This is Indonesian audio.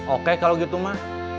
oke kalau gitu ma